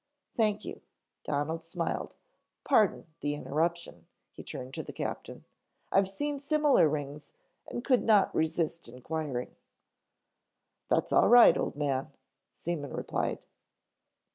"Thank you," Donald smiled. "Pardon the interruption," he turned to the captain. "I've seen similar rings and could not resist inquiring." "That's all right, old man," Seaman replied.